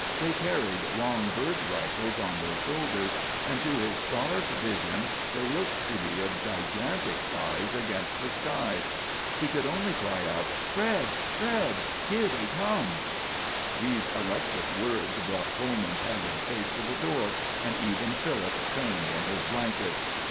They carried long bird rifles on their shoulders, and to his starved vision they looked to be of gigantic size against the sky. He could only cry out, "Fred! Fred! Here they come!" [Illustration: "HE COULD ONLY CRY OUT, 'FRED! FRED! HERE THEY COME!"] These electric words brought Coleman's haggard face to the door, and even Philip turned in his blankets.